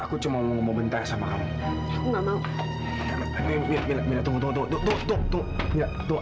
aku cuma mau bentar sama aku nggak mau